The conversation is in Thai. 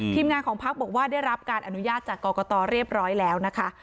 ทีมงานของพักบอกว่าได้รับการอนุญาตจากกรกตเรียบร้อยแล้วนะคะ